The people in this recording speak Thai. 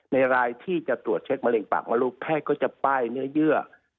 ในรายที่จะตรวจเช็คมะเร็งปากมลูกแพทย์ก็จะป้ายเนื้อเยื่อ